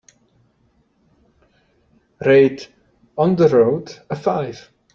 rate On the Road a five